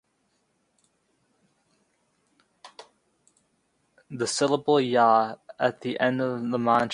Hawke is a former national and state president of the Young Liberals.